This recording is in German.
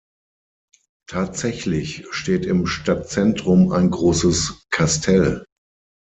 Tatsächlich steht im Stadtzentrum ein großes Kastell.